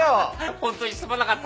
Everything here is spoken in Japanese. ホントにすまなかった。